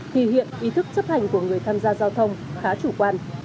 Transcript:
thì hiện ý thức chấp hành của người tham gia giao thông khá chủ quan